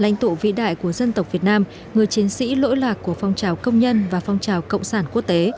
lãnh tụ vĩ đại của dân tộc việt nam người chiến sĩ lỗi lạc của phong trào công nhân và phong trào cộng sản quốc tế